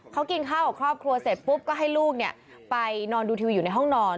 เขากินข้าวกับครอบครัวเสร็จปุ๊บก็ให้ลูกไปนอนดูทีวีอยู่ในห้องนอน